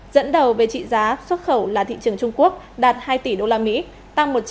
dẫn đầu về trị giá xuất khẩu là thị trường trung quốc